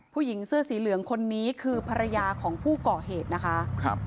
ผู้หญิงเสื้อสีเหลืองคนนี้คือภรรยาของผู้ก่อเหตุนะคะ